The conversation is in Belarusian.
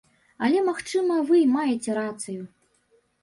Але, магчыма, вы і маеце рацыю.